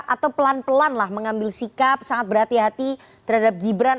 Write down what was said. atau pelan pelan lah mengambil sikap sangat berhati hati terhadap gibran